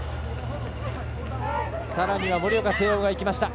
さらには盛岡誠桜がいきました。